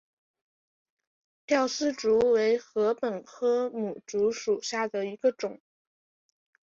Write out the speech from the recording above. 吊丝竹为禾本科牡竹属下的一个种。